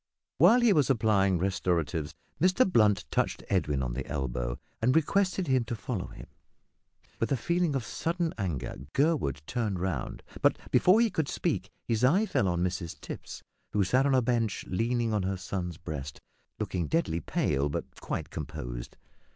While he was applying restoratives Mr Blunt touched Edwin on the elbow and requested him to follow him. With a feeling of sudden anger Gurwood turned round, but before he could speak his eye fell on Mrs Tipps, who sat on a bench leaning on her son's breast, and looking deadly pale but quite composed.